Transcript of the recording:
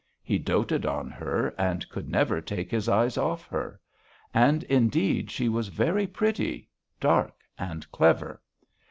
He doted on her and could never take his eyes off her. And, indeed, she was very pretty, dark and clever.